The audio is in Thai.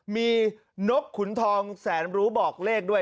มีนกขุนทองแสนรู้บอกเลขด้วย